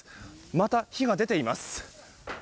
また火が出ています。